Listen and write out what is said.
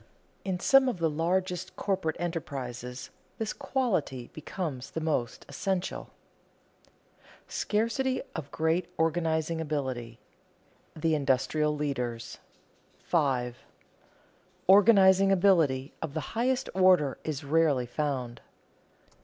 In some of the largest corporate enterprises this quality becomes the most essential. [Sidenote: Scarcity of great organizing ability] [Sidenote: The industrial leaders] 5. _Organizing ability of the highest order is rarely found.